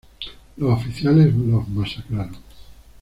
Los oficiales los masacraron.